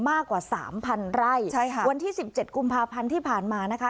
มากกว่าสามพันไร่ใช่ค่ะวันที่สิบเจ็ดกุมภาพันธ์ที่ผ่านมานะคะ